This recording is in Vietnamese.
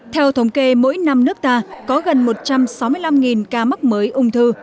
theo thống kê mỗi năm nước ta có gần một trăm sáu mươi năm ca mắc mới ung thư